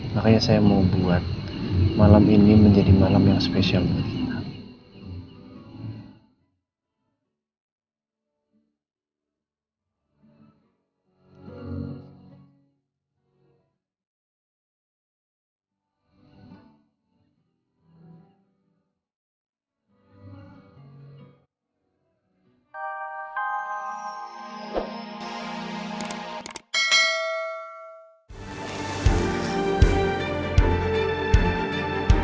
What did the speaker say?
makanya saya mau buat malam ini menjadi malam yang spesial buat kita